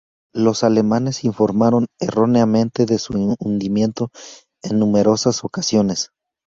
Los alemanes informaron erróneamente de su hundimiento en numerosas ocasiones.